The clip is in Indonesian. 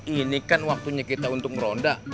ini kan waktunya kita untuk ngeronda